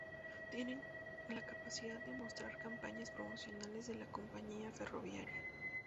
Tienen la capacidad de mostrar campañas promocionales de la compañía ferroviaria.